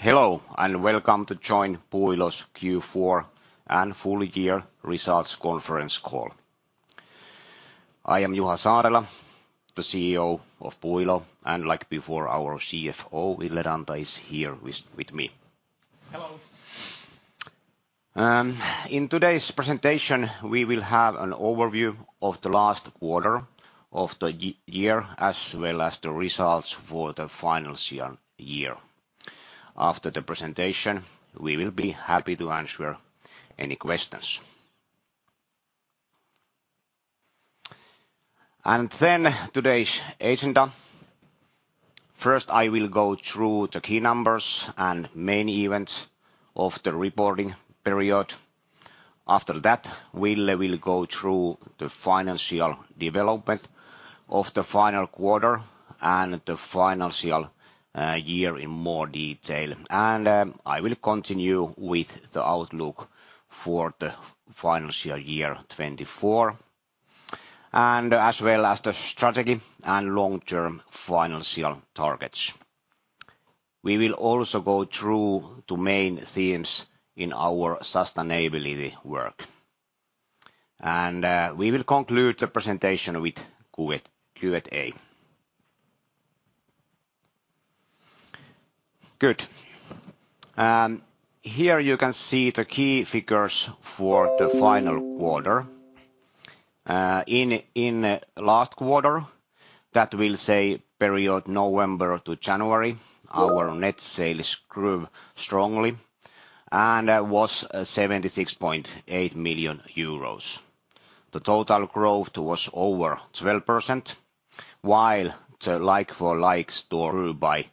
Hello and welcome to join Puuilo's Q4 and full year results conference call. I am Juha Saarela, the CEO of Puuilo, and like before, our CFO Ville Ranta is here with me. Hello. In today's presentation, we will have an overview of the last quarter of the year as well as the results for the final year. After the presentation, we will be happy to answer any questions. Then today's agenda. First, I will go through the key numbers and main events of the reporting period. After that, Ville will go through the financial development of the final quarter and the financial year in more detail. I will continue with the outlook for the financial year 2024 and as well as the strategy and long-term financial targets. We will also go through the main themes in our sustainability work. We will conclude the presentation with Q&A. Good. Here you can see the key figures for the final quarter. In the last quarter, that will say period November to January, our net sales grew strongly and was 76.8 million euros. The total growth was over 12%, while the like-for-likes grew by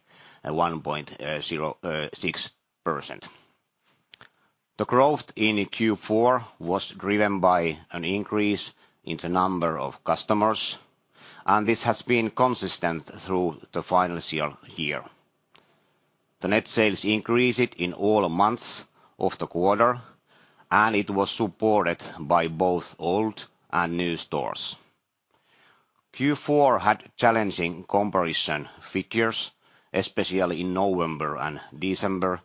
1.06%. The growth in Q4 was driven by an increase in the number of customers, and this has been consistent through the financial year. The net sales increased in all months of the quarter, and it was supported by both old and new stores. Q4 had challenging comparison figures, especially in November and December,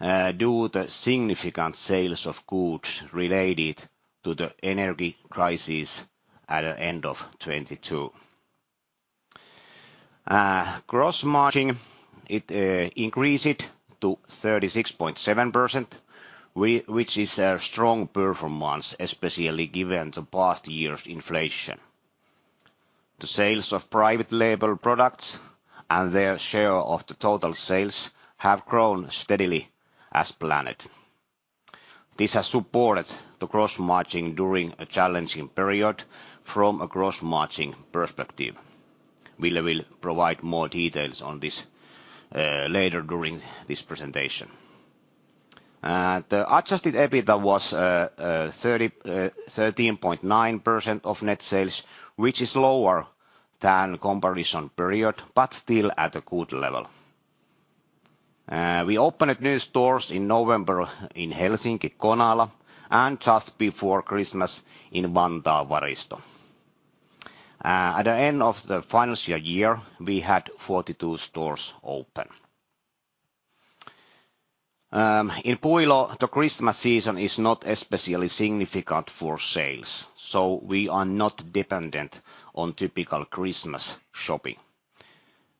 due to significant sales of goods related to the energy crisis at the end of 2022. Gross margin, it increased to 36.7%, which is a strong performance, especially given the past year's inflation. The sales of private label products and their share of the total sales have grown steadily as planned. This has supported the gross margin during a challenging period from a gross margin perspective. Ville will provide more details on this later during this presentation. The Adjusted EBITDA was 13.9% of net sales, which is lower than the comparison period, but still at a good level. We opened new stores in November in Helsinki Konala and just before Christmas in Vantaa Varisto. At the end of the financial year, we had 42 stores open. In Puuilo, the Christmas season is not especially significant for sales, so we are not dependent on typical Christmas shopping.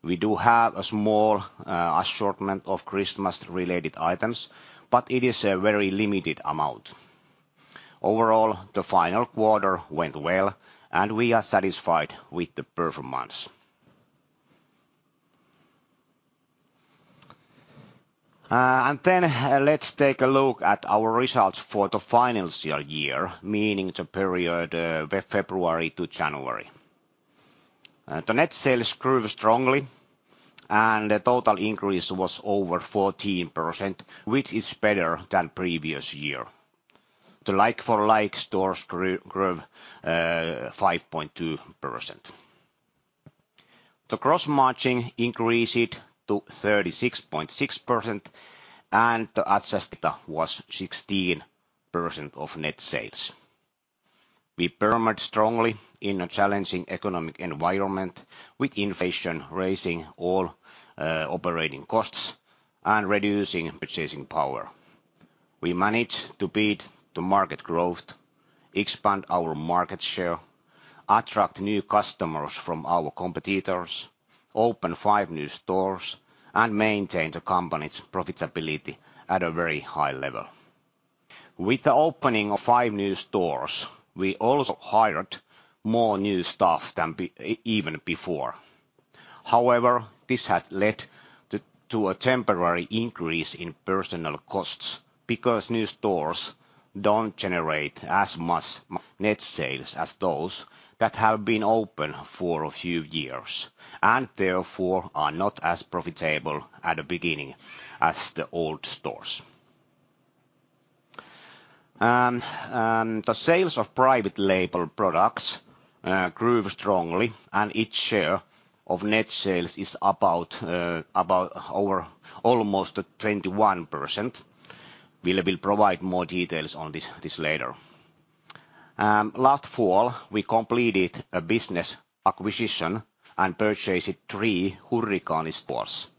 We do have a small assortment of Christmas-related items, but it is a very limited amount. Overall, the final quarter went well, and we are satisfied with the performance. Then let's take a look at our results for the final year, meaning the period February to January. The net sales grew strongly, and the total increase was over 14%, which is better than the previous year. The like-for-like stores grew 5.2%. The gross margin increased to 36.6%, and the adjusted EBITDA was 16% of net sales. We performed strongly in a challenging economic environment with inflation raising all operating costs and reducing purchasing power. We managed to beat the market growth, expand our market share, attract new customers from our competitors, open five new stores, and maintain the company's profitability at a very high level. With the opening of five new stores, we also hired more new staff than even before. However, this has led to a temporary increase in personnel costs because new stores don't generate as much net sales as those that have been open for a few years and therefore are not as profitable at the beginning as the old stores. The sales of private label products grew strongly, and its share of net sales is about almost 21%. Ville will provide more details on this later. Last fall, we completed a business acquisition and purchased three Hurrikaani stores.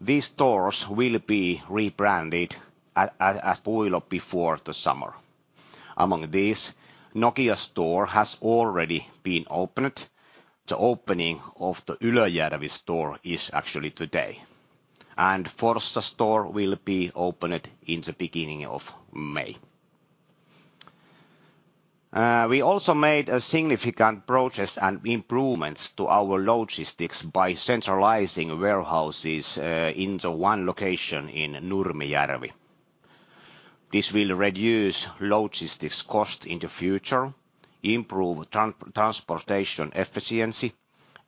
These stores will be rebranded as Puuilo before the summer. Among these, Nokia store has already been opened. The opening of the Ylöjärvi store is actually today, and Forssa store will be opened in the beginning of May. We also made significant progress and improvements to our logistics by centralizing warehouses in one location in Nurmijärvi. This will reduce logistics costs in the future, improve transportation efficiency,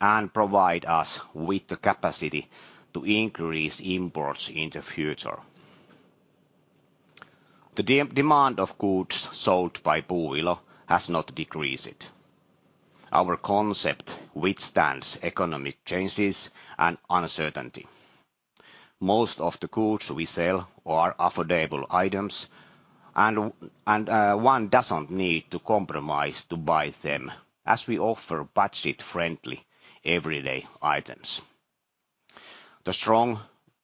and provide us with the capacity to increase imports in the future. The demand of goods sold by Puuilo has not decreased. Our concept withstands economic changes and uncertainty. Most of the goods we sell are affordable items, and one doesn't need to compromise to buy them as we offer budget-friendly everyday items. The strong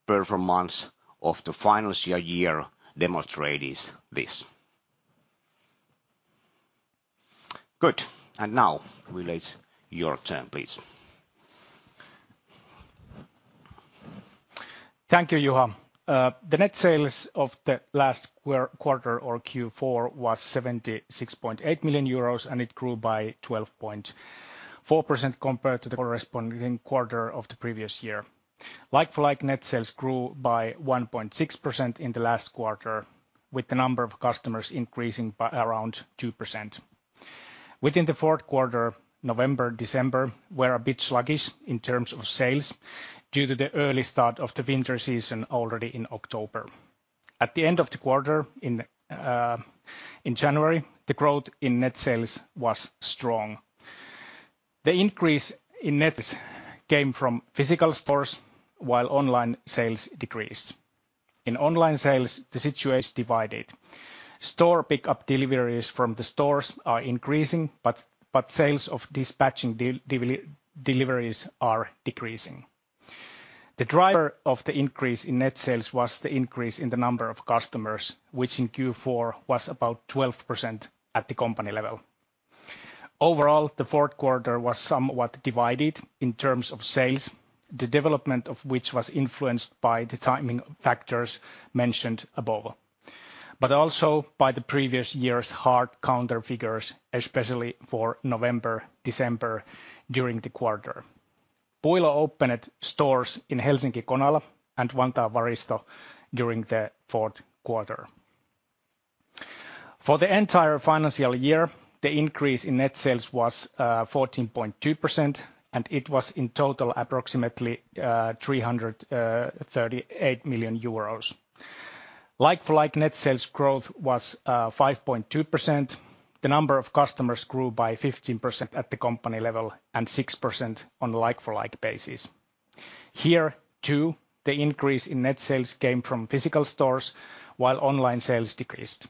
performance of the financial year demonstrates this. Good. And now Ville, it's your turn, please. Thank you, Juha. The net sales of the last quarter or Q4 was 76.8 million euros, and it grew by 12.4% compared to the corresponding quarter of the previous year. Like-for-like net sales grew by 1.6% in the last quarter, with the number of customers increasing by around 2%. Within the fourth quarter, November, December, were a bit sluggish in terms of sales due to the early start of the winter season already in October. At the end of the quarter in January, the growth in net sales was strong. The increase in net sales came from physical stores while online sales decreased. In online sales, the situation is divided. Store pickup deliveries from the stores are increasing, but sales of dispatching deliveries are decreasing. The driver of the increase in net sales was the increase in the number of customers, which in Q4 was about 12% at the company level. Overall, the fourth quarter was somewhat divided in terms of sales, the development of which was influenced by the timing factors mentioned above, but also by the previous year's hard counter figures, especially for November, December during the quarter. Puuilo opened stores in Helsinki Konala and Vantaa Varisto during the fourth quarter. For the entire financial year, the increase in net sales was 14.2%, and it was in total approximately 338 million euros. Like-for-like net sales growth was 5.2%. The number of customers grew by 15% at the company level and 6% on a like-for-like basis. Here too, the increase in net sales came from physical stores while online sales decreased.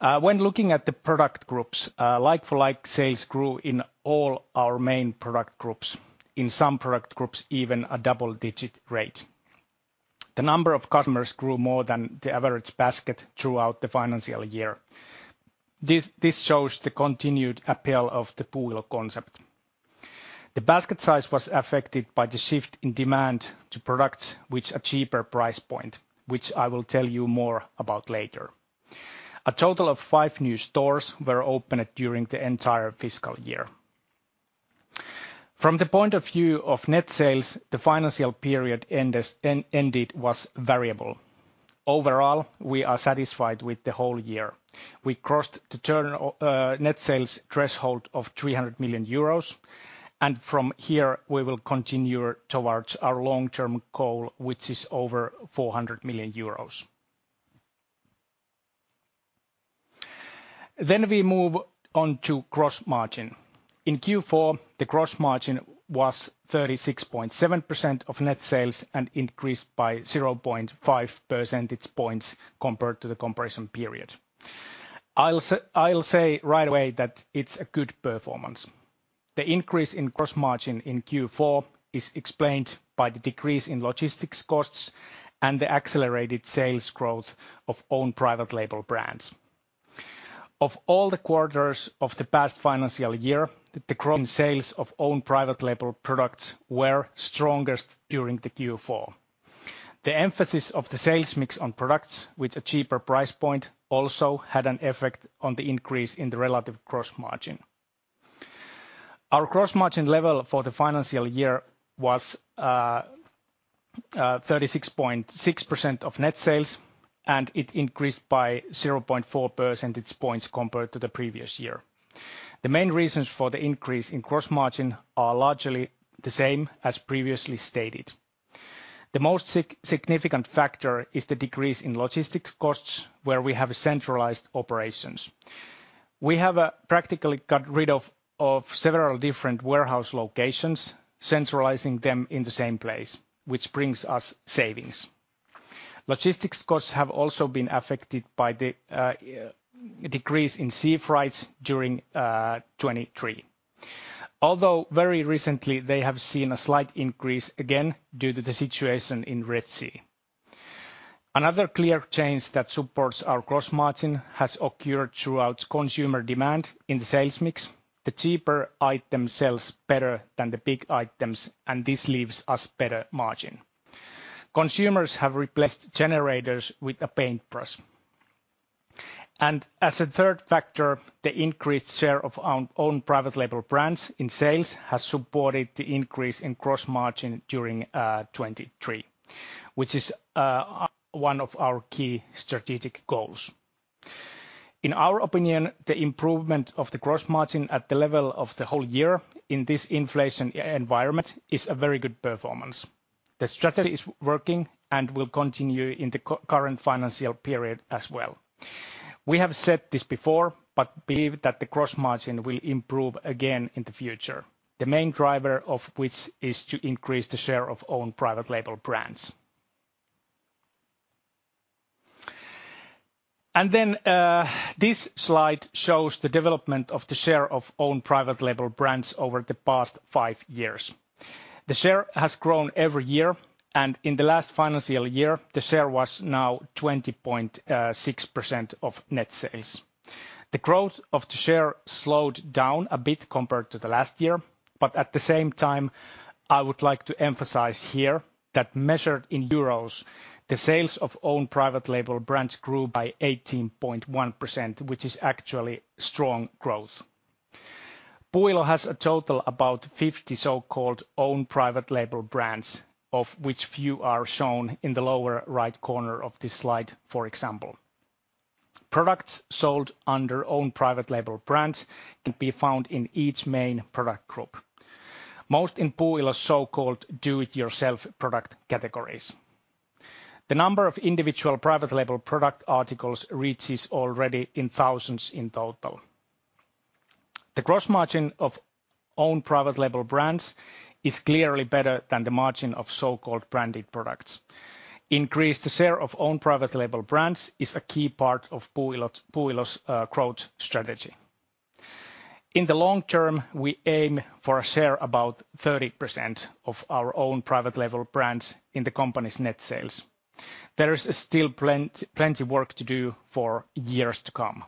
When looking at the product groups, like-for-like sales grew in all our main product groups, in some product groups even a double-digit rate. The number of customers grew more than the average basket throughout the financial year. This shows the continued appeal of the Puuilo concept. The basket size was affected by the shift in demand to products which are cheaper price point, which I will tell you more about later. A total of five new stores were opened during the entire fiscal year. From the point of view of net sales, the financial period ended was variable. Overall, we are satisfied with the whole year. We crossed the net sales threshold of 300 million euros, and from here, we will continue towards our long-term goal, which is over 400 million euros. Then we move on to gross margin. In Q4, the gross margin was 36.7% of net sales and increased by 0.5 percentage points compared to the comparison period. I'll say right away that it's a good performance. The increase in gross margin in Q4 is explained by the decrease in logistics costs and the accelerated sales growth of owned private label brands. Of all the quarters of the past financial year, the gross margin sales of owned private label products were strongest during the Q4. The emphasis of the sales mix on products which are cheaper price point also had an effect on the increase in the relative gross margin. Our gross margin level for the financial year was 36.6% of net sales, and it increased by 0.4 percentage points compared to the previous year. The main reasons for the increase in gross margin are largely the same as previously stated. The most significant factor is the decrease in logistics costs, where we have centralized operations. We have practically got rid of several different warehouse locations, centralizing them in the same place, which brings us savings. Logistics costs have also been affected by the decrease in sea freights during 2023, although very recently, they have seen a slight increase again due to the situation in Red Sea. Another clear change that supports our gross margin has occurred throughout consumer demand in the sales mix. The cheaper item sells better than the big items, and this leaves us better margin. Consumers have replaced generators with a paintbrush. And as a third factor, the increased share of owned private label brands in sales has supported the increase in gross margin during 2023, which is one of our key strategic goals. In our opinion, the improvement of the gross margin at the level of the whole year in this inflation environment is a very good performance. The strategy is working and will continue in the current financial period as well. We have said this before, but believe that the gross margin will improve again in the future, the main driver of which is to increase the share of owned private label brands. Then this slide shows the development of the share of owned private label brands over the past five years. The share has grown every year, and in the last financial year, the share was now 20.6% of net sales. The growth of the share slowed down a bit compared to the last year, but at the same time, I would like to emphasize here that measured in euros, the sales of owned private label brands grew by 18.1%, which is actually strong growth. Puuilo has a total of about 50 so-called owned private label brands, of which few are shown in the lower right corner of this slide, for example. Products sold under owned private label brands can be found in each main product group, most in Puuilo's so-called do-it-yourself product categories. The number of individual private label product articles reaches already in thousands in total. The gross margin of owned private label brands is clearly better than the margin of so-called branded products. Increasing the share of owned private label brands is a key part of Puuilo's growth strategy. In the long term, we aim for a share of about 30% of our owned private label brands in the company's net sales. There is still plenty of work to do for years to come.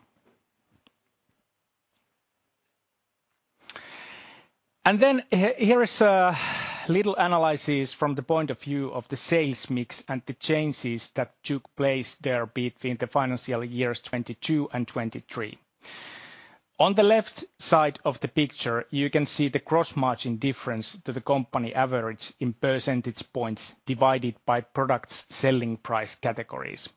And then here is a little analysis from the point of view of the sales mix and the changes that took place there between the financial years 2022 and 2023. On the left side of the picture, you can see the gross margin difference to the company average in percentage points divided by products' selling price categories.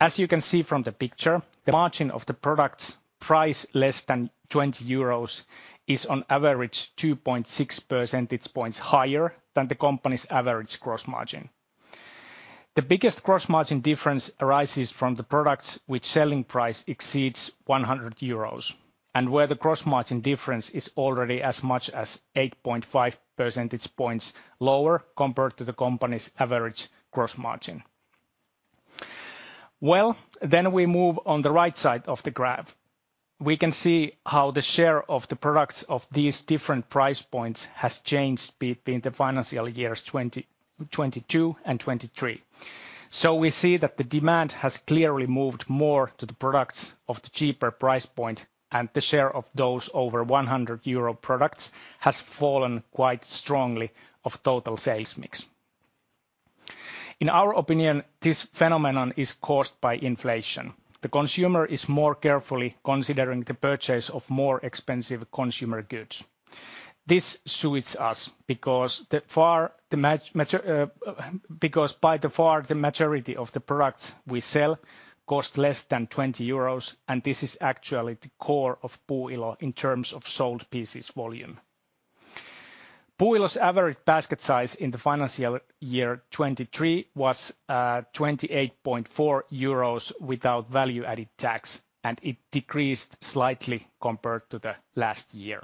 As you can see from the picture, the margin of the products' price less than 20 euros is on average 2.6 percentage points higher than the company's average gross margin. The biggest gross margin difference arises from the products which selling price exceeds 100 euros, and where the gross margin difference is already as much as 8.5 percentage points lower compared to the company's average gross margin. Well, then we move on the right side of the graph. We can see how the share of the products of these different price points has changed between the financial years 2022 and 2023. So we see that the demand has clearly moved more to the products of the cheaper price point, and the share of those over 100 euro products has fallen quite strongly of total sales mix. In our opinion, this phenomenon is caused by inflation. The consumer is more carefully considering the purchase of more expensive consumer goods. This suits us because by far the majority of the products we sell cost less than 20 euros, and this is actually the core of Puuilo in terms of sold pieces volume. Puuilo's average basket size in the financial year 2023 was 28.4 euros without value-added tax, and it decreased slightly compared to the last year.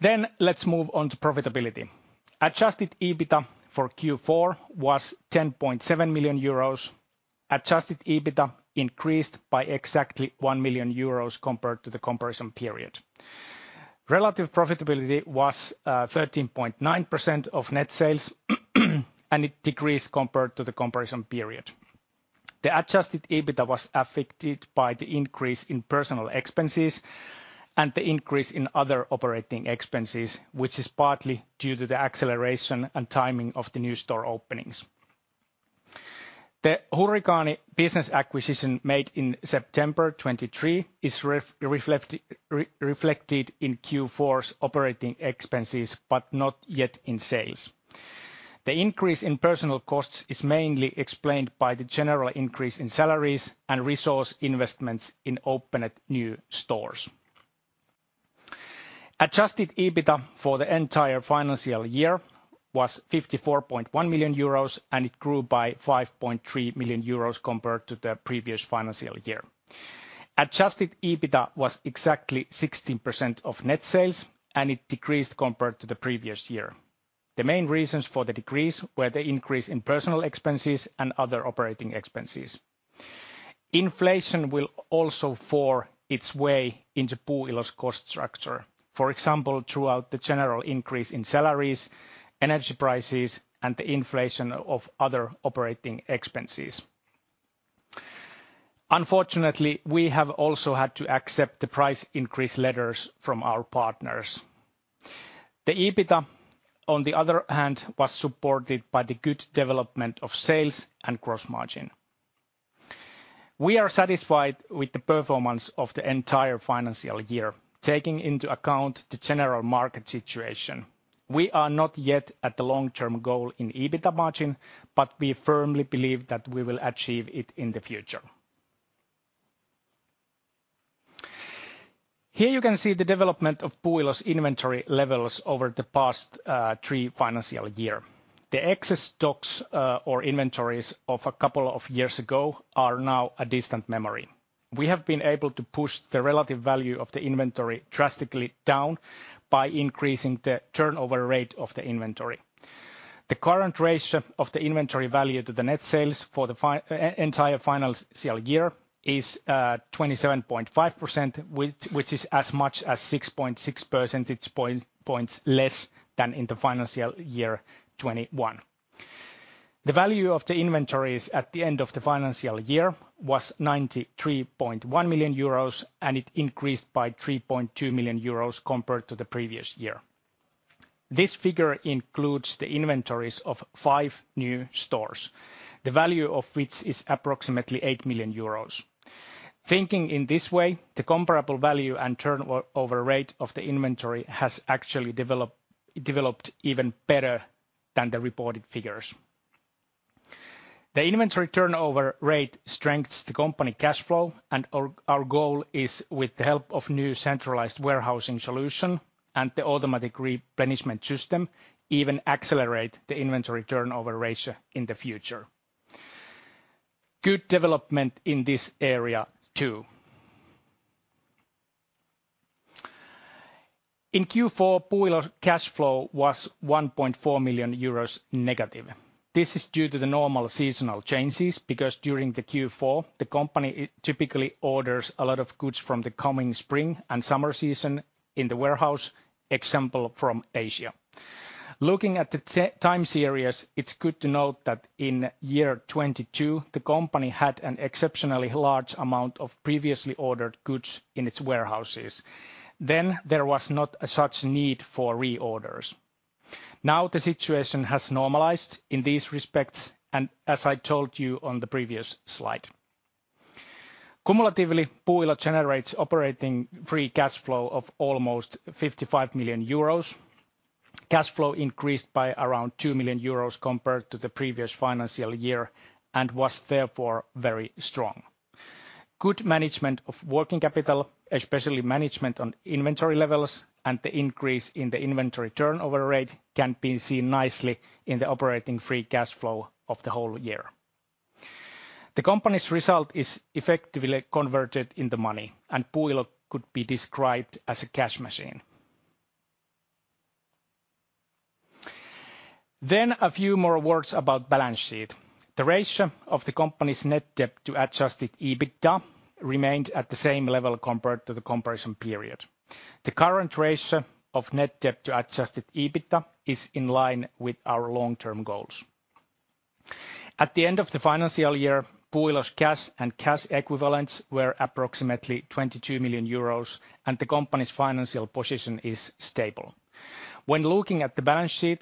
Then let's move on to profitability. Adjusted EBITDA for Q4 was 10.7 million euros. Adjusted EBITDA increased by exactly 1 million euros compared to the comparison period. Relative profitability was 13.9% of net sales, and it decreased compared to the comparison period. The adjusted EBITDA was affected by the increase in personnel expenses and the increase in other operating expenses, which is partly due to the acceleration and timing of the new store openings. The Hurrikaani business acquisition made in September 2023 is reflected in Q4's operating expenses, but not yet in sales. The increase in personnel costs is mainly explained by the general increase in salaries and resource investments in opened new stores. Adjusted EBITDA for the entire financial year was 54.1 million euros, and it grew by 5.3 million euros compared to the previous financial year. Adjusted EBITDA was exactly 16% of net sales, and it decreased compared to the previous year. The main reasons for the decrease were the increase in personnel expenses and other operating expenses. Inflation will also force its way into Puuilo's cost structure, for example, throughout the general increase in salaries, energy prices, and the inflation of other operating expenses. Unfortunately, we have also had to accept the price increase letters from our partners. The EBITDA, on the other hand, was supported by the good development of sales and gross margin. We are satisfied with the performance of the entire financial year, taking into account the general market situation. We are not yet at the long-term goal in EBITDA margin, but we firmly believe that we will achieve it in the future. Here you can see the development of Puuilo's inventory levels over the past three financial years. The excess stocks or inventories of a couple of years ago are now a distant memory. We have been able to push the relative value of the inventory drastically down by increasing the turnover rate of the inventory. The current ratio of the inventory value to the net sales for the entire financial year is 27.5%, which is as much as 6.6 percentage points less than in the financial year 2021. The value of the inventories at the end of the financial year was 93.1 million euros, and it increased by 3.2 million euros compared to the previous year. This figure includes the inventories of five new stores, the value of which is approximately 8 million euros. Thinking in this way, the comparable value and turnover rate of the inventory has actually developed even better than the reported figures. The inventory turnover rate strengthens the company cash flow, and our goal is, with the help of a new centralized warehousing solution and the automatic replenishment system, even to accelerate the inventory turnover ratio in the future. Good development in this area too. In Q4, Puuilo's cash flow was -1.4 million euros. This is due to the normal seasonal changes because during the Q4, the company typically orders a lot of goods from the coming spring and summer season in the warehouse, for example, from Asia. Looking at the time series, it's good to note that in year 2022, the company had an exceptionally large amount of previously ordered goods in its warehouses. Then there was not such a need for reorders. Now the situation has normalized in these respects, and as I told you on the previous slide. Cumulatively, Puuilo generates operating free cash flow of almost 55 million euros, cash flow increased by around 2 million euros compared to the previous financial year, and was therefore very strong. Good management of working capital, especially management on inventory levels, and the increase in the inventory turnover rate can be seen nicely in the operating free cash flow of the whole year. The company's result is effectively converted into money, and Puuilo could be described as a cash machine. Then a few more words about the balance sheet. The ratio of the company's net debt to Adjusted EBITDA remained at the same level compared to the comparison period. The current ratio of net debt to Adjusted EBITDA is in line with our long-term goals. At the end of the financial year, Puuilo's cash and cash equivalents were approximately 22 million euros, and the company's financial position is stable. When looking at the balance sheet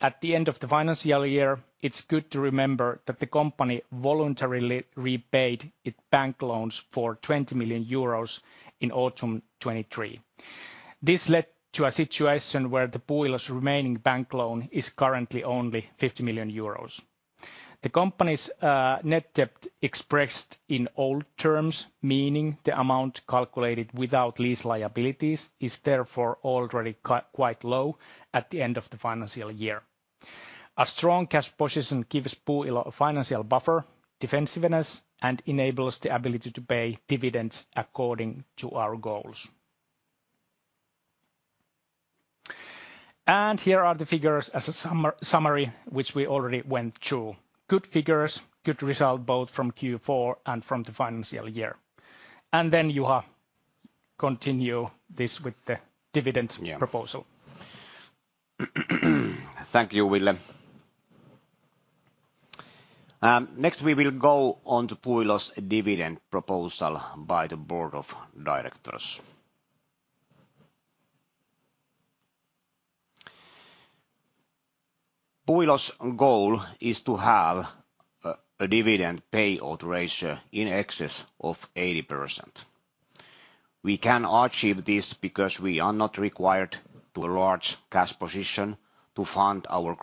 at the end of the financial year, it's good to remember that the company voluntarily repaid its bank loans for 20 million euros in autumn 2023. This led to a situation where Puuilo's remaining bank loan is currently only 50 million euros. The company's net debt expressed in old terms, meaning the amount calculated without lease liabilities, is therefore already quite low at the end of the financial year. A strong cash position gives Puuilo a financial buffer, defensiveness, and enables the ability to pay dividends according to our goals. Here are the figures as a summary, which we already went through. Good figures, good result both from Q4 and from the financial year. Then Juha continues this with the dividend proposal. Thank you, Ville. Next, we will go on to Puuilo's dividend proposal by the board of directors. Puuilo's goal is to have a dividend payout ratio in excess of 80%. We can achieve this because we are not required to have a large cash position to fund our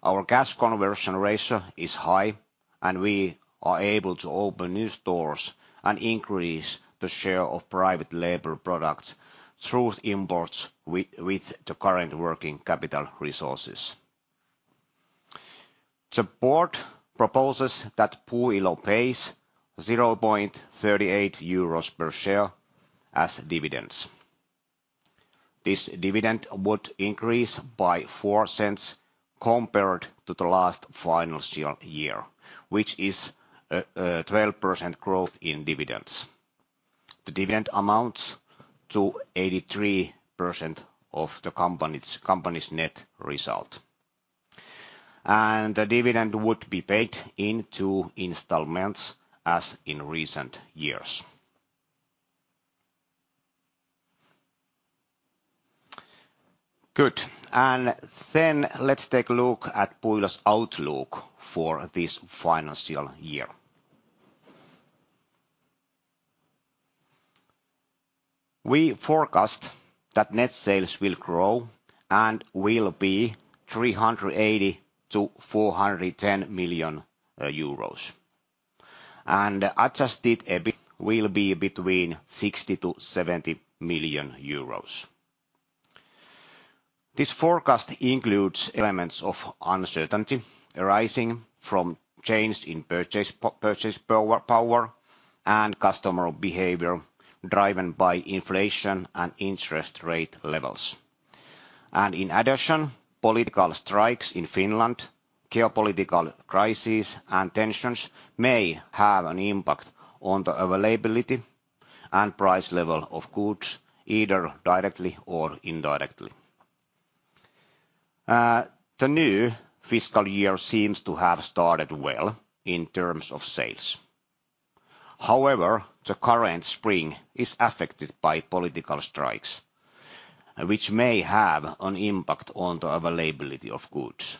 growth. Our cash conversion ratio is high, and we are able to open new stores and increase the share of private label products through imports with the current working capital resources. The board proposes that Puuilo pays 0.38 euros per share as dividends. This dividend would increase by 0.04 compared to the last financial year, which is a 12% growth in dividends. The dividend amounts to 83% of the company's net result. The dividend would be paid in two installments as in recent years. Good. Then let's take a look at Puuilo's outlook for this financial year. We forecast that net sales will grow and will be 380 million-410 million euros. And adjusted EBIT will be between 60 million-70 million euros. This forecast includes elements of uncertainty arising from changes in purchase power and customer behavior driven by inflation and interest rate levels. And in addition, political strikes in Finland, geopolitical crises, and tensions may have an impact on the availability and price level of goods, either directly or indirectly. The new fiscal year seems to have started well in terms of sales. However, the current spring is affected by political strikes, which may have an impact on the availability of goods.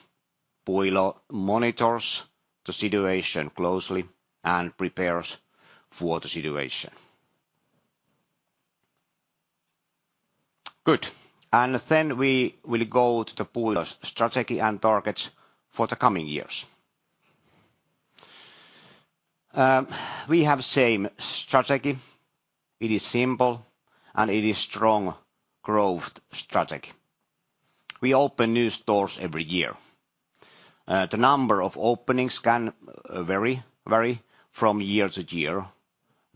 Puuilo monitors the situation closely and prepares for the situation. Good. And then we will go to the strategy and targets for the coming years. We have the same strategy. It is simple, and it is a strong growth strategy. We open new stores every year. The number of openings can vary from year to year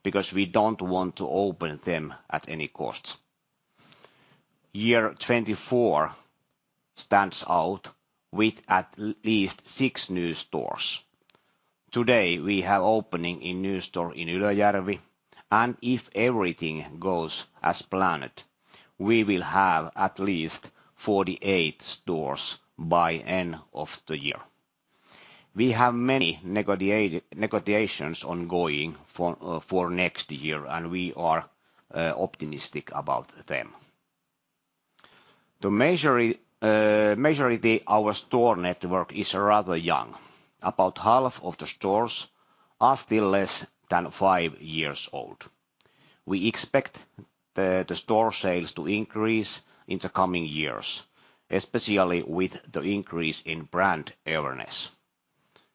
because we don't want to open them at any cost. Year 2024 stands out with at least 6 new stores. Today, we have an opening in a new store in Ylöjärvi, and if everything goes as planned, we will have at least 48 stores by the end of the year. We have many negotiations ongoing for next year, and we are optimistic about them. The majority, our store network is rather young. About half of the stores are still less than five years old. We expect the store sales to increase in the coming years, especially with the increase in brand awareness.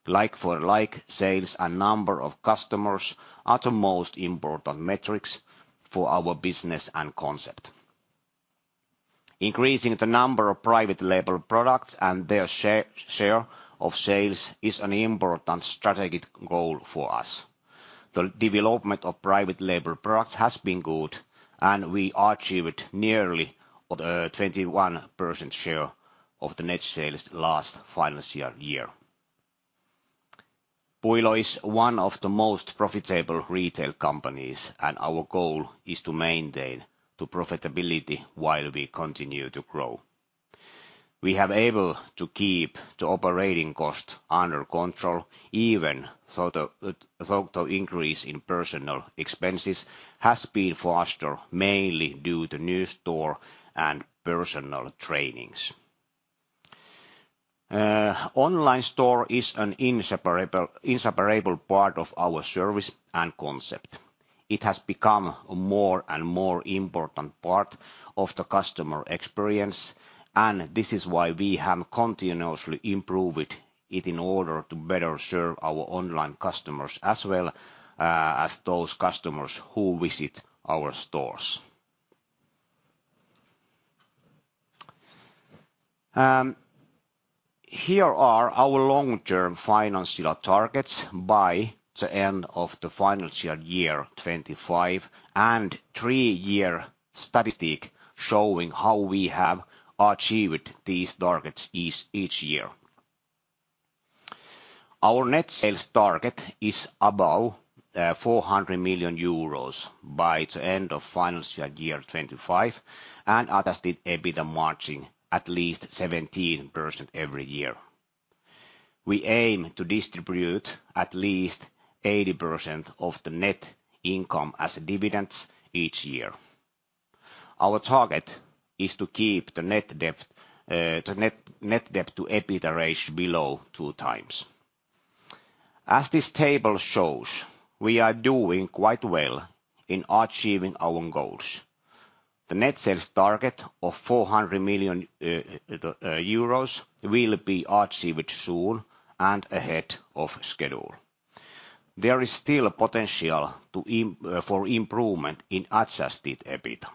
Like-for-like sales and the number of customers are the most important metrics for our business and concept. Increasing the number of private label products and their share of sales is an important strategic goal for us. The development of private label products has been good, and we achieved nearly a 21% share of the net sales last financial year. Puuilo is one of the most profitable retail companies, and our goal is to maintain profitability while we continue to grow. We have been able to keep the operating costs under control, even though the increase in personnel expenses has been faster, mainly due to new store and personnel trainings. Online store is an inseparable part of our service and concept. It has become a more and more important part of the customer experience, and this is why we have continuously improved it in order to better serve our online customers as well as those customers who visit our stores. Here are our long-term financial targets by the end of the financial year 2025 and three-year statistics showing how we have achieved these targets each year. Our net sales target is above 400 million euros by the end of the financial year 2025 and Adjusted EBITDA margin at least 17% every year. We aim to distribute at least 80% of the net income as dividends each year. Our target is to keep the net debt to EBITDA ratio below two times. As this table shows, we are doing quite well in achieving our goals. The net sales target of 400 million euros will be achieved soon and ahead of schedule. There is still potential for improvement in Adjusted EBITDA.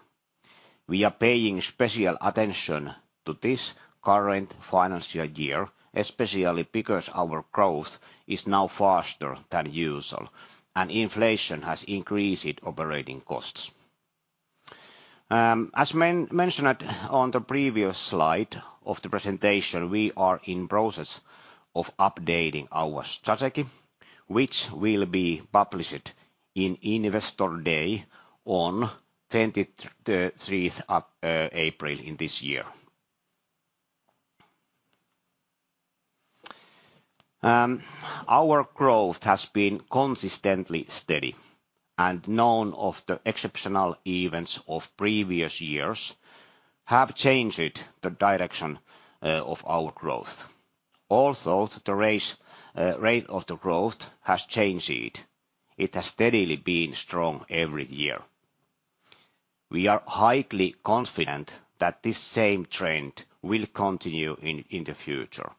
We are paying special attention to this current financial year, especially because our growth is now faster than usual, and inflation has increased operating costs. As mentioned on the previous slide of the presentation, we are in the process of updating our strategy, which will be published on Investor Day on 23 April this year. Our growth has been consistently steady, and none of the exceptional events of previous years have changed the direction of our growth. Also, the rate of the growth has changed. It has steadily been strong every year. We are highly confident that this same trend will continue in the future.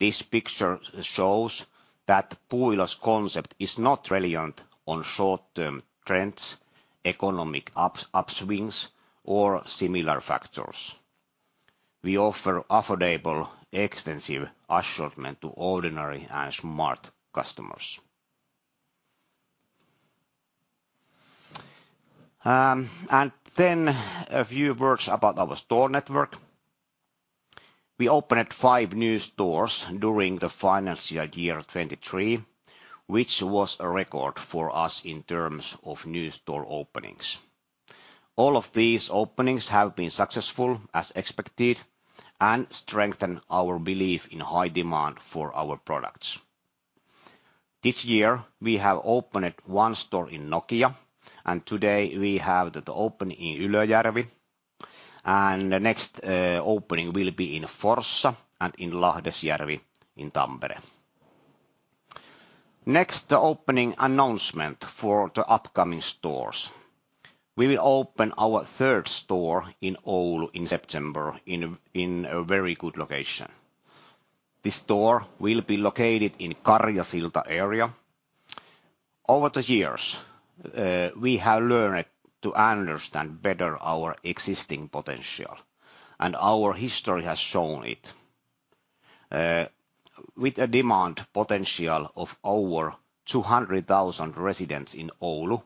This picture shows that Puuilo's concept is not reliant on short-term trends, economic upswings, or similar factors. We offer affordable, extensive assortment to ordinary and smart customers. And then a few words about our store network. We opened five new stores during the financial year 2023, which was a record for us in terms of new store openings. All of these openings have been successful as expected and strengthen our belief in high demand for our products. This year, we have opened one store in Nokia, and today we have the opening in Ylöjärvi. The next opening will be in Forssa and in Lahdesjärvi in Tampere. Next, the opening announcement for the upcoming stores. We will open our third store in Oulu in September in a very good location. This store will be located in the Karjasilta area. Over the years, we have learned to understand better our existing potential, and our history has shown it. With a demand potential of over 200,000 residents in Oulu,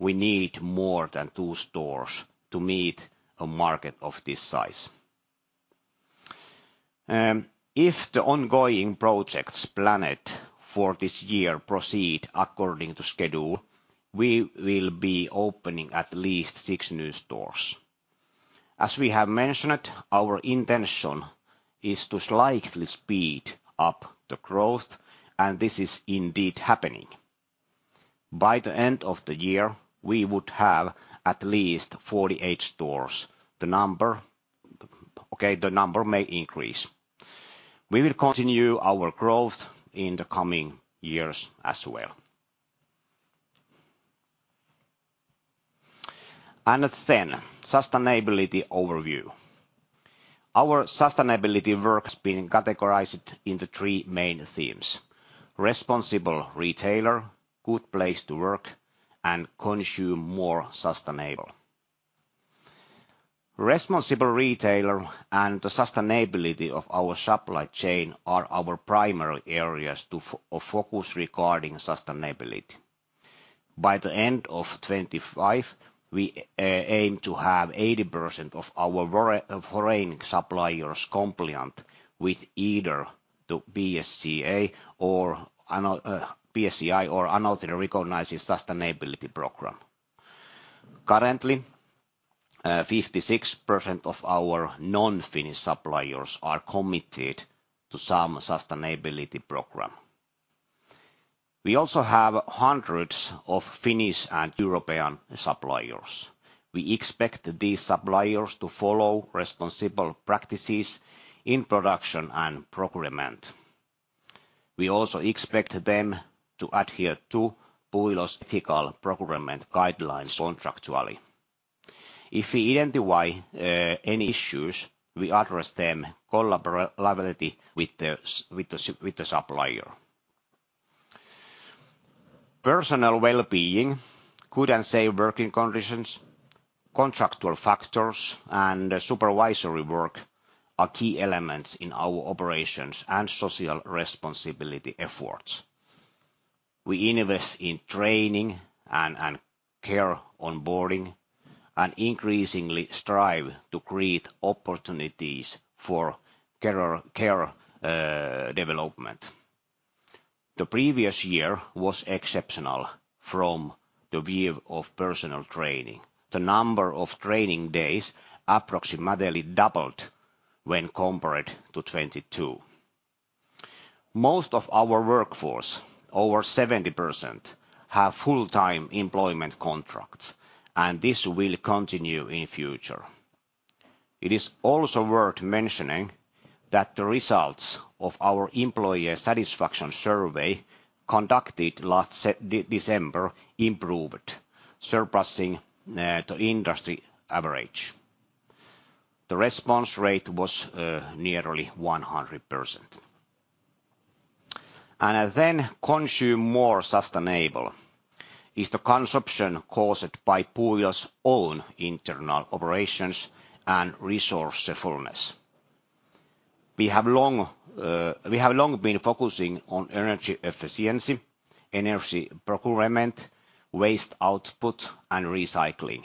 we need more than two stores to meet a market of this size. If the ongoing projects planned for this year proceed according to schedule, we will be opening at least six new stores. As we have mentioned, our intention is to slightly speed up the growth, and this is indeed happening. By the end of the year, we would have at least 48 stores. The number may increase. We will continue our growth in the coming years as well. And then sustainability overview. Our sustainability work has been categorized into three main themes: responsible retailer, good place to work, and consume more sustainably. Responsible retailer and the sustainability of our supply chain are our primary areas of focus regarding sustainability. By the end of 2025, we aim to have 80% of our foreign suppliers compliant with either the BSCI or another recognized sustainability program. Currently, 56% of our non-Finnish suppliers are committed to some sustainability program. We also have hundreds of Finnish and European suppliers. We expect these suppliers to follow responsible practices in production and procurement. We also expect them to adhere to Puuilo's ethical procurement guidelines contractually. If we identify any issues, we address them collaboratively with the supplier. Personnel well-being, good and safe working conditions, contractual factors, and supervisory work are key elements in our operations and social responsibility efforts. We invest in training and care onboarding and increasingly strive to create opportunities for career development. The previous year was exceptional from the view of personnel training. The number of training days approximately doubled when compared to 2022. Most of our workforce, over 70%, have full-time employment contracts, and this will continue in the future. It is also worth mentioning that the results of our employee satisfaction survey conducted last December improved, surpassing the industry average. The response rate was nearly 100%. And then consume more sustainably is the consumption caused by Puuilo's own internal operations and resourcefulness. We have long been focusing on energy efficiency, energy procurement, waste output, and recycling.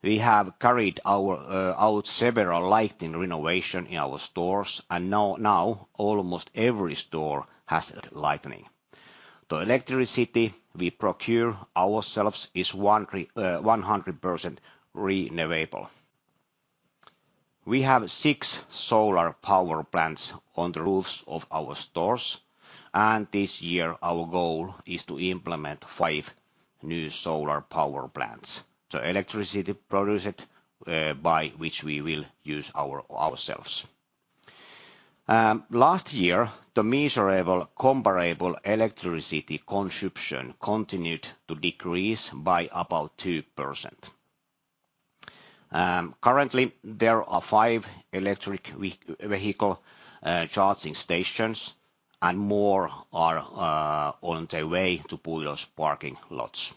We have carried out several lighting renovations in our stores, and now almost every store has lighting. The electricity we procure ourselves is 100% renewable. We have six solar power plants on the roofs of our stores, and this year our goal is to implement five new solar power plants, the electricity produced by which we will use ourselves. Last year, the measurable comparable electricity consumption continued to decrease by about 2%. Currently, there are five electric vehicle charging stations, and more are on the way to Puuilo's parking lots.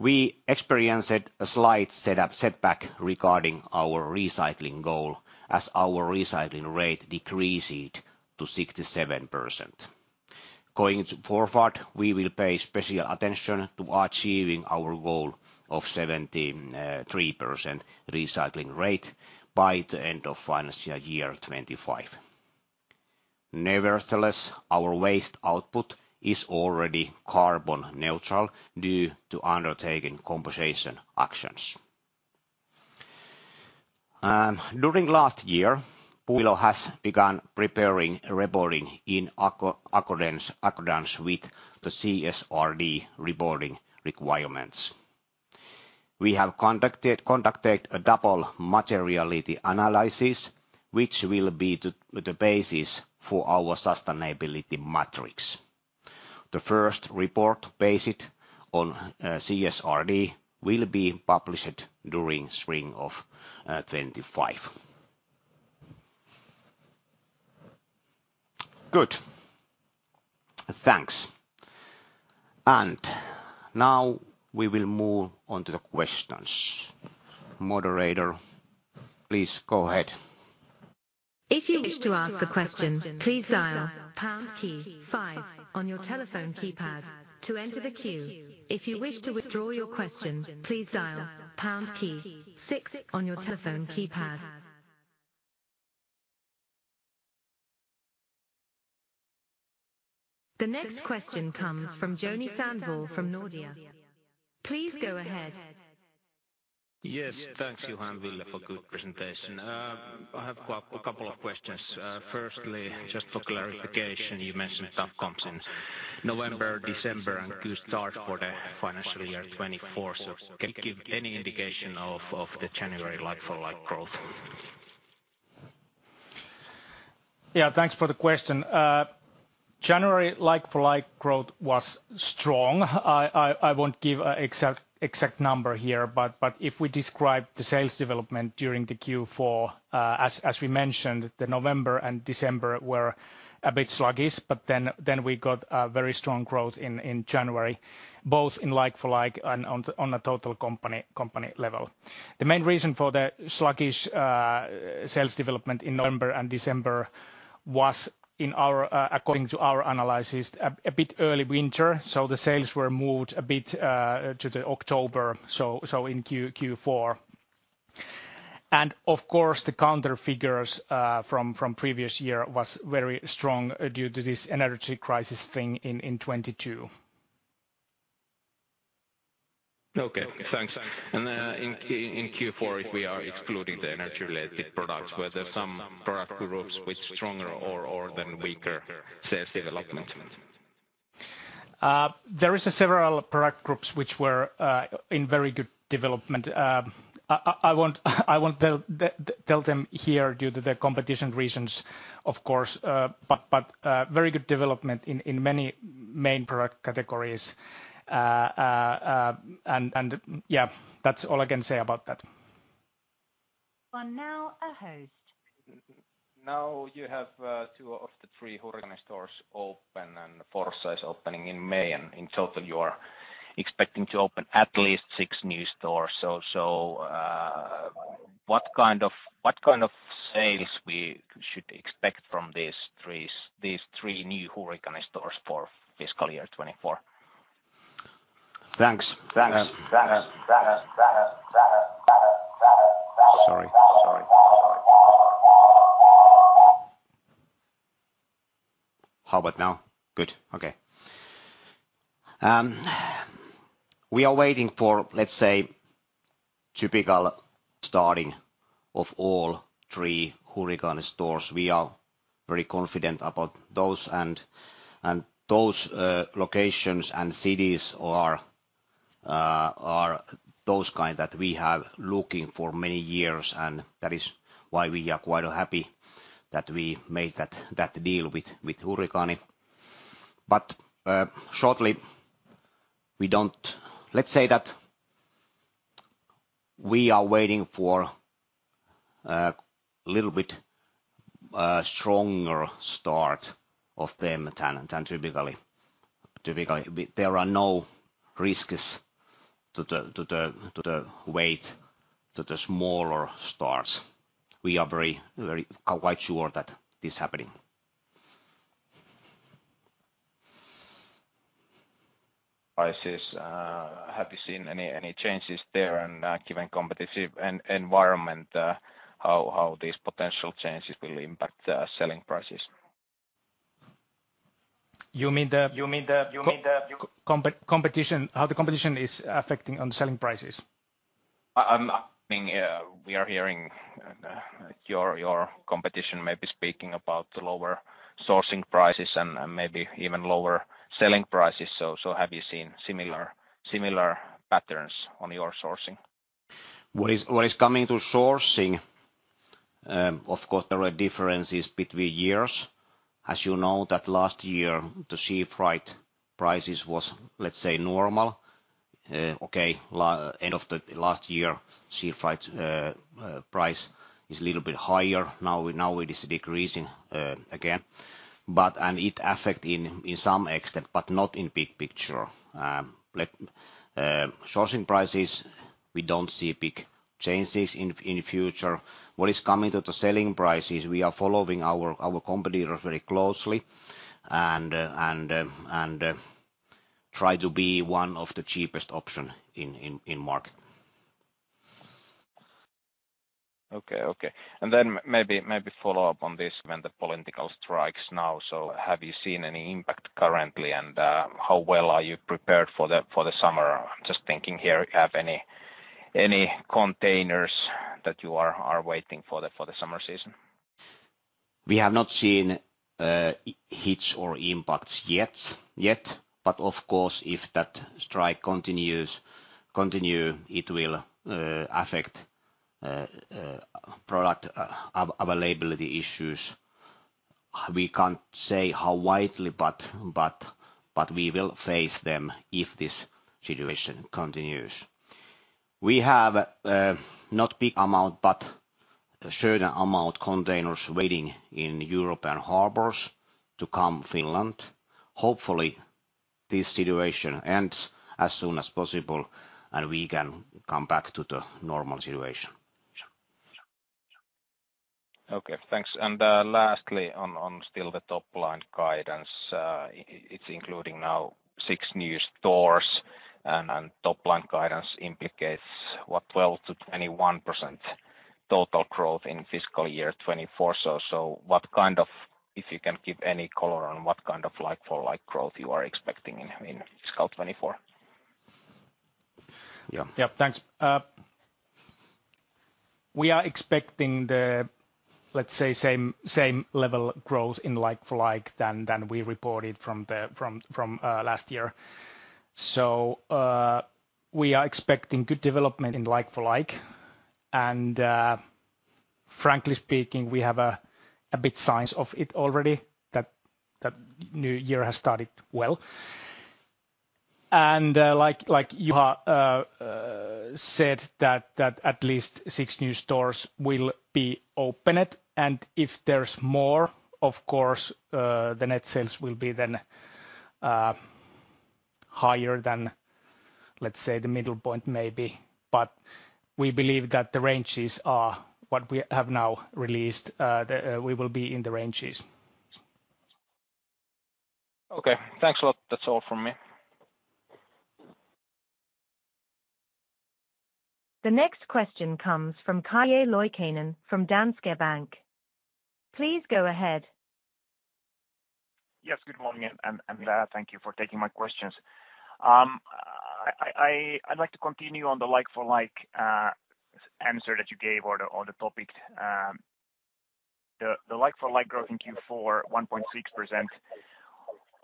We experienced a slight setback regarding our recycling goal as our recycling rate decreased to 67%. Going forward, we will pay special attention to achieving our goal of 73% recycling rate by the end of the financial year 2025. Nevertheless, our waste output is already carbon neutral due to undertaken compensation actions. During last year, Puuilo has begun preparing reporting in accordance with the CSRD reporting requirements. We have conducted a double materiality analysis, which will be the basis for our sustainability matrix. The first report based on CSRD will be published during the spring of 2025. Good. Thanks. Now we will move on to the questions. Moderator, please go ahead. If you wish to ask a question, please dial pound key five on your telephone keypad to enter the queue. If you wish to withdraw your question, please dial pound key six on your telephone keypad. The next question comes from Joni Sandvall from Nordea. Please go ahead. Yes, thanks, Juha, Ville, for a good presentation. I have a couple of questions. Firstly, just for clarification, you mentioned tough comps in November, December, and could start for the financial year 2024. So can you give any indication of the January like-for-like growth? Yeah, thanks for the question. January like-for-like growth was strong. I won't give an exact number here, but if we describe the sales development during the Q4, as we mentioned, the November and December were a bit sluggish, but then we got very strong growth in January, both in like-for-like and on a total company level. The main reason for the sluggish sales development in November and December was, according to our analysis, a bit early winter, so the sales were moved a bit to October, so in Q4. Of course, the counter figures from the previous year were very strong due to this energy crisis thing in 2022. Okay, thanks. In Q4, if we are excluding the energy-related products, were there some product groups with stronger or than weaker sales development? There are several product groups which were in very good development. I won't tell them here due to the competition reasons, of course, but very good development in many main product categories. And yeah, that's all I can say about that. Now you have two of the three Hurrikaani stores open and Forssa is opening in May. In total, you are expecting to open at least six new stores. What kind of sales should we expect from these three new Hurrikaani stores for fiscal year 2024? Thanks. Thanks. Thanks. Sorry. Sorry. Sorry. How about now? Good. Okay. We are waiting for, let's say, typical starting of all three Hurrikaani stores. We are very confident about those. And those locations and cities are those kinds that we have been looking for many years. And that is why we are quite happy that we made that deal with Hurrikaani. But shortly, let's say that we are waiting for a little bit stronger start of them than typically. There are no risks to wait for the smaller starts. We are quite sure that this is happening. Prices? Have you seen any changes there? And given the competitive environment, how these potential changes will impact selling prices? You mean the competition? How the competition is affecting the selling prices? We are hearing your competition maybe speaking about the lower sourcing prices and maybe even lower selling prices. So have you seen similar patterns on your sourcing? What is coming to sourcing? Of course, there are differences between years. As you know, last year, the sea freight prices were, let's say, normal. Okay, end of last year, sea freight price is a little bit higher. Now it is decreasing again. And it affects in some extent, but not in the big picture. Sourcing prices, we don't see big changes in the future. What is coming to the selling prices? We are following our competitors very closely and try to be one of the cheapest options in the market. Okay. Okay. And then maybe follow up on this. With the political strikes now, have you seen any impact currently, and how well are you prepared for the summer? I'm just thinking here, do you have any containers that you are waiting for the summer season? We have not seen hits or impacts yet. But of course, if that strike continues, it will affect product availability issues. We can't say how widely, but we will face them if this situation continues. We have not a big amount, but a certain amount of containers waiting in European harbors to come to Finland. Hopefully, this situation ends as soon as possible, and we can come back to the normal situation. Okay. Thanks. And lastly, on still the top-line guidance, it's including now six new stores. And top-line guidance implicates what, 12%-21% total growth in fiscal year 2024. So if you can give any color on what kind of like-for-like growth you are expecting in fiscal 2024. Yeah. Yeah, thanks. We are expecting the, let's say, same level of growth in like-for-like than we reported from last year. So we are expecting good development in like-for-like. And frankly speaking, we have a bit of signs of it already that the new year has started well. And like Juha said, that at least six new stores will be opened. And if there's more, of course, the net sales will be then higher than, let's say, the middle point maybe. But we believe that the ranges are what we have now released. We will be in the ranges. Okay. Thanks a lot. That's all from me. The next question comes from Calle Loikkanen from Danske Bank. Please go ahead. Yes, good morning. Thank you for taking my questions. I'd like to continue on the like-for-like answer that you gave on the topic. The like-for-like growth in Q4, 1.6%,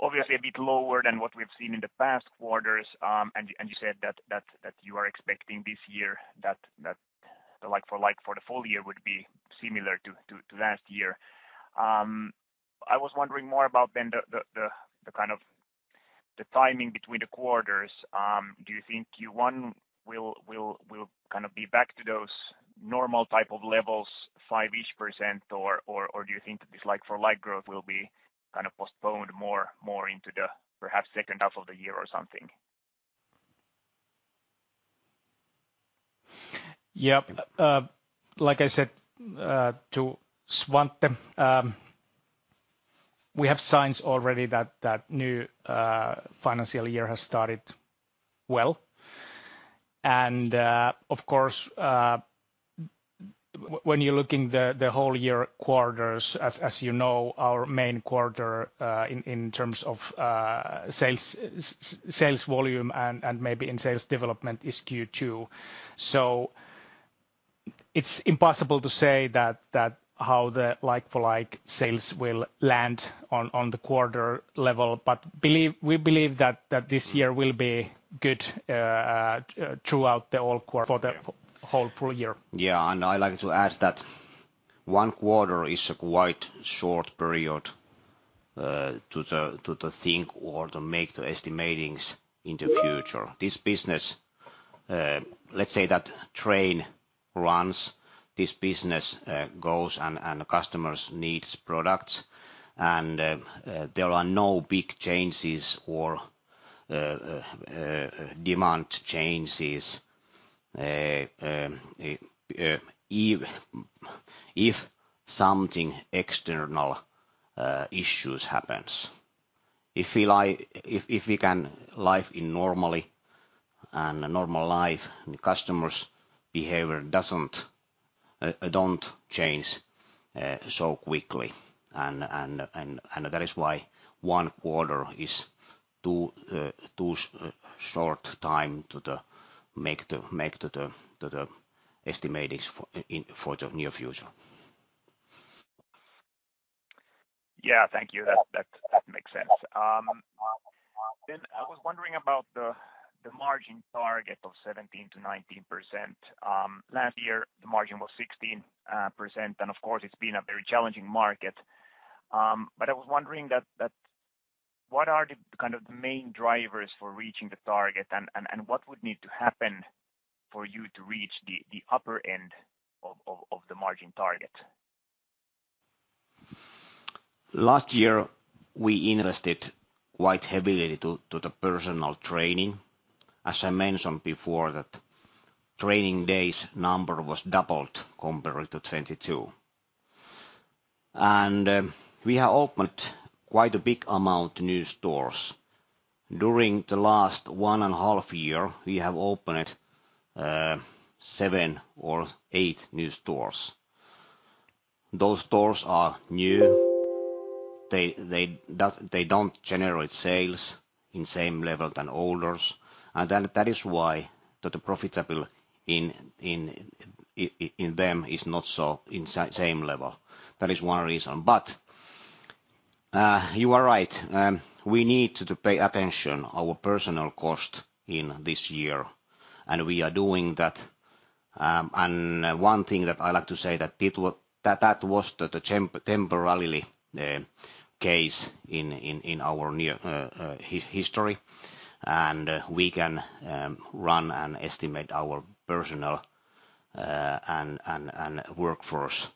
obviously a bit lower than what we've seen in the past quarters. You said that you are expecting this year that the like-for-like for the full year would be similar to last year. I was wondering more about then the kind of timing between the quarters. Do you think Q1 will kind of be back to those normal type of levels, 5-ish%, or do you think that this like-for-like growth will be kind of postponed more into the perhaps second half of the year or something? Yeah. Like I said to Sandvall, we have signs already that the new financial year has started well. Of course, when you're looking at the whole year quarters, as you know, our main quarter in terms of sales volume and maybe in sales development is Q2. It's impossible to say how the like-for-like sales will land on the quarter level, but we believe that this year will be good throughout the whole full year. Yeah. And I'd like to add that one quarter is a quite short period to think or to make the estimates in the future. Let's say that the train runs, this business goes, and the customer needs products, and there are no big changes or demand changes if something external issues happens. If we can live normally and a normal life, the customer's behavior doesn't change so quickly. And that is why one quarter is too short time to make the estimates for the near future. Yeah, thank you. That makes sense. Then I was wondering about the margin target of 17%-19%. Last year, the margin was 16%. And of course, it's been a very challenging market. But I was wondering what are kind of the main drivers for reaching the target, and what would need to happen for you to reach the upper end of the margin target? Last year, we invested quite heavily into the personnel training. As I mentioned before, the training days number was doubled compared to 2022. We have opened quite a big amount of new stores. During the last one and a half year, we have opened seven or eight new stores. Those stores are new. They don't generate sales at the same level as the old ones. That is why the profitability in them is not at the same level. That is one reason. But you are right. We need to pay attention to our personnel costs in this year. We are doing that. One thing that I like to say is that that was temporarily the case in our history. We can run and estimate our personnel and workforce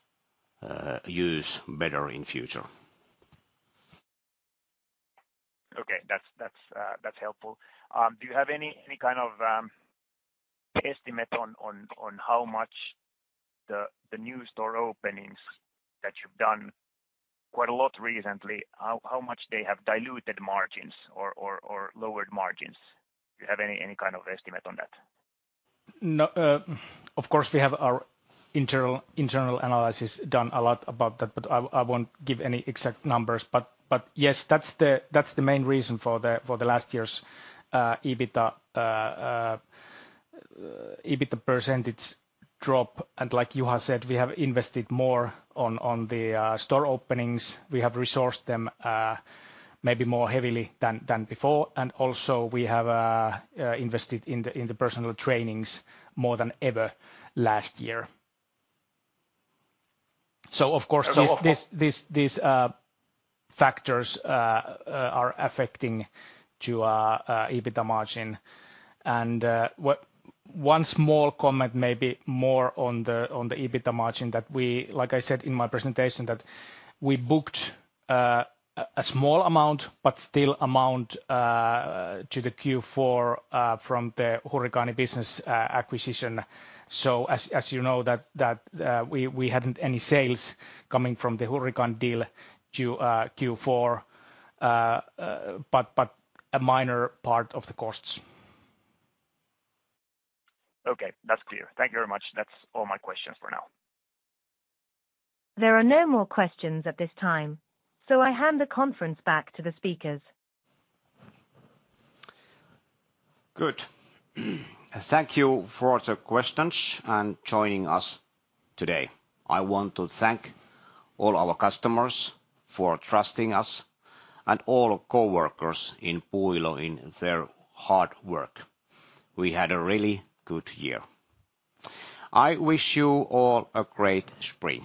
use better in the future. Okay. That's helpful. Do you have any kind of estimate on how much the new store openings that you've done quite a lot recently, how much they have diluted margins or lowered margins? Do you have any kind of estimate on that? Of course, we have our internal analysis done a lot about that, but I won't give any exact numbers. But yes, that's the main reason for the last year's EBITDA percentage drop. And like Juha said, we have invested more in the store openings. We have resourced them maybe more heavily than before. And also, we have invested in the personnel trainings more than ever last year. So of course, these factors are affecting the EBITDA margin. And one small comment maybe more on the EBITDA margin that we, like I said in my presentation, that we booked a small amount, but still an amount to the Q4 from the Hurrikaani business acquisition. So as you know, we hadn't any sales coming from the Hurrikaani deal to Q4, but a minor part of the costs. Okay. That's clear. Thank you very much. That's all my questions for now. There are no more questions at this time. I hand the conference back to the speakers. Good. Thank you for all the questions and joining us today. I want to thank all our customers for trusting us and all coworkers in Puuilo in their hard work. We had a really good year. I wish you all a great spring.